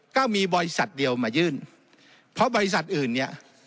ก็มีบริษัทเดียวมายื่นเพราะบริษัทอื่นเนี่ย